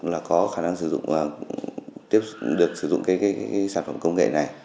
là có khả năng được sử dụng cái sản phẩm công nghệ này